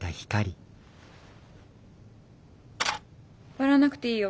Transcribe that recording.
笑わなくていいよ。